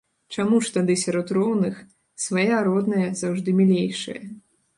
Чаму ж тады сярод роўных свая родная заўжды мілейшая?